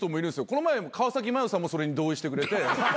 この前川麻世さんもそれに同意してくれて。